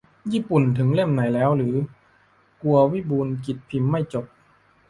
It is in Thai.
ญี่ปุ่นถึงเล่มไหนแล้วหรือ กลัววิบูลย์กิจพิมพ์ไม่จบ